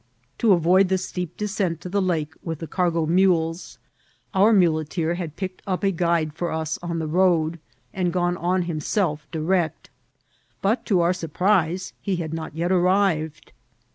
To avoid the steep descent to the lake with the car* go mules, our muleteer had picked up a guide for ua on the road, and gone on himself direct ; but, to our surprise, he had not yet arrived.